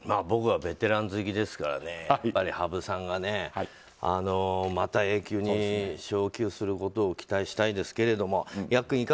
僕はベテラン好きですから羽生さんがまたＡ級に昇級することを期待したいですけども。